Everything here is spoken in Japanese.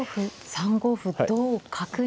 ３五歩同角に。